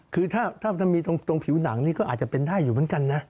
คือถ้ามีตรงผิวหนังนี่ก็อาจจะเป็นได้อยู่เหมือนกันนะ